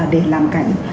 để làm cảnh